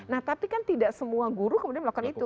nah tapi kan tidak semua guru kemudian melakukan itu